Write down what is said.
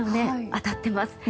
当たっています。